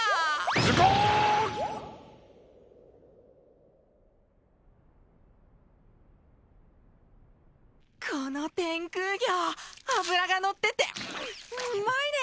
ズコーッこの天空魚脂がのっててうんまいね！